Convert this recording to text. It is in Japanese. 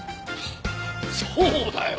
そうだよ。